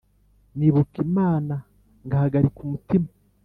nibuka imana ngahagarika umutima